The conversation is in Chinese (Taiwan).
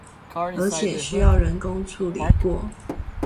而且需要人工處理過